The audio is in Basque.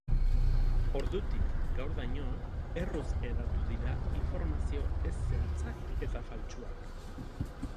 Ordutik gaurdaino, erruz hedatu dira informazio ez zehatzak eta faltsuak.